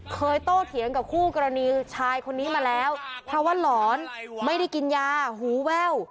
โตเถียงกับคู่กรณีชายคนนี้มาแล้วเพราะว่าหลอนไม่ได้กินยาหูแว่ว